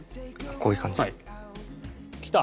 こういう感じ？きた！